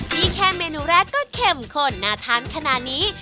นี่แค่เมนูแรกก็เข้มข้นน่าทานขนาดนี้